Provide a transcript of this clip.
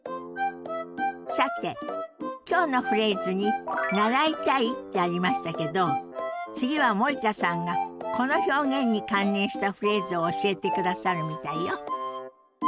さて今日のフレーズに「習いたい」ってありましたけど次は森田さんがこの表現に関連したフレーズを教えてくださるみたいよ。